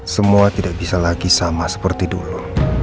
semua tidak bisa lagi sama seperti dulu